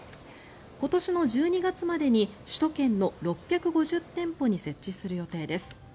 今年の１２月までに首都圏の６５０店舗に設置する予定です。